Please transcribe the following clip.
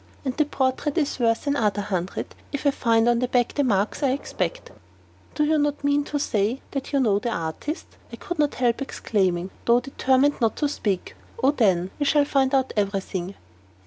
And the portrait is worth another hundred, if I find on the back the marks I expect." "You do not mean to say that you know the artist?" I could not help exclaiming, though determined not to speak. "Oh, then, we shall find out every thing!"